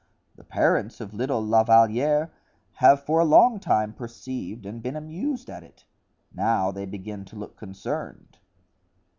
The parents of little La Valliere have for a long time perceived and been amused at it; now they begin to look concerned."